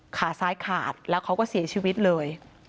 ขาซ้ายขาดแล้วเขาก็เสียชีวิตเลย